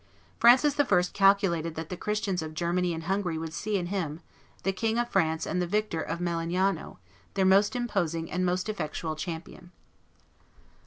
Francis I. calculated that the Christians of Germany and Hungary would see in him, the King of France and the victor of Melegnano, their most imposing and most effectual champion.